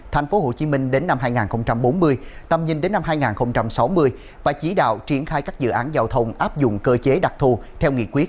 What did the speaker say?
tp hcm đến năm hai nghìn bốn mươi tầm nhìn đến năm hai nghìn sáu mươi và chỉ đạo triển khai các dự án giao thông áp dụng cơ chế đặc thù theo nghị quyết